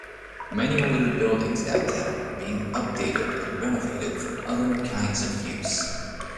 Many older buildings downtown are being updated and renovated for other kinds of use.